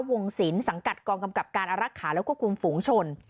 วงศิลป์สังกัดกองกำกับการอารักษาแล้วก็คุมฝูงชน